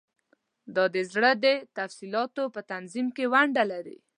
دا د زړه د تقلصاتو په تنظیم کې ونډه لري.